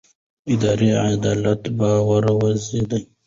اداري عدالت باور زېږوي